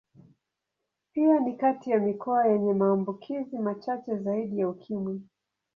Pia ni kati ya mikoa yenye maambukizi machache zaidi ya Ukimwi.